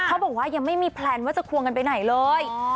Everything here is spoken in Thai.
บอกว่ายังไม่มีแพลนว่าจะควงกันไปไหนเลย